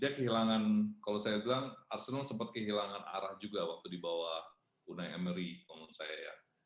dia kehilangan kalau saya bilang arsenal sempat kehilangan arah juga waktu di bawah unai amary ngomong saya ya